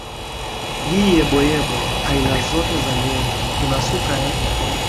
hii yeboyebo aina zote za nywele tunasuka eehee